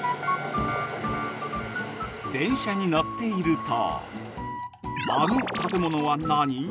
◆電車に乗っていると「あの建物はナニ！？」